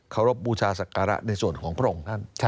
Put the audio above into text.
เคารพบูชาศักระในส่วนของพระองค์นั้น